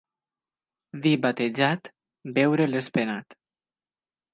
Vi batejat, beure'l és penat.